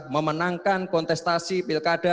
memenangkan kontestasi pilkada